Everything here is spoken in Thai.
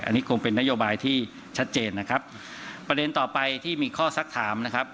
อันนี้คงเป็นนโยบายที่ชัดเจนนะครับประเด็นต่อไปที่มีข้อสักถามนะครับ